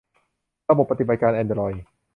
ระบบปฏิบัติการแอนดรอยด์